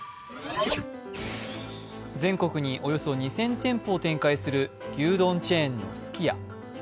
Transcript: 全国におよそ２０００店舗を展開する牛丼チェーンのすき家。